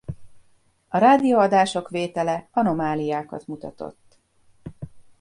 A rádióadások vétele anomáliákat mutatott.